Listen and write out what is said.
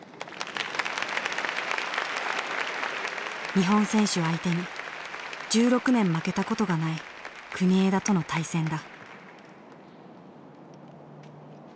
日本選手相手に１６年負けたことがない国枝との対戦だ。